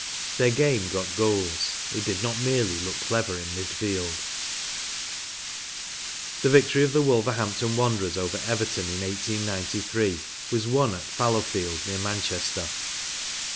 Their game got goals ; it did not merely look clever in mid field. The victory of the Wolverhampton Wan¬ derers over Everton in 1893 was won at Fallowfield, near Manchester.